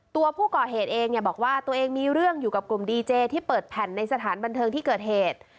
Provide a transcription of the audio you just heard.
ตัวผู้ก่อเหตุเองเนี่ยบอกว่าตัวเองมีเรื่องอยู่กับกลุ่มดีเจที่เปิดแผ่นในสถานบันเทิงที่เกิดเหตุ